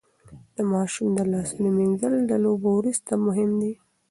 د ماشوم د لاسونو مينځل د لوبو وروسته مهم دي.